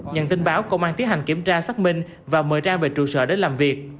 nhận tin báo công an tiến hành kiểm tra xác minh và mời trang về trụ sở để làm việc